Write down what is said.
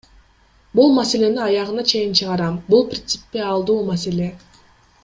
Бул маселени аягына чейин чыгарам, бул принципиалдуу маселе!